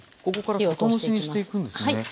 ここから酒蒸しにしていくんですね？